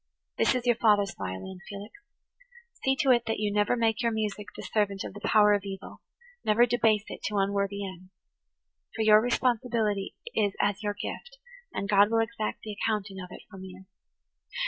"This is your father's violin, Felix. See to it that you never make your music the servant of the power of evil–never debase it to unworthy ends. For your responsibility is as your gift, and God will exact the accounting of it from you.